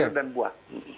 sayur dan buah